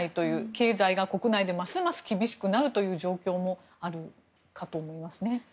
経済が国内でますます厳しくなるという状況もあるかと思いますね。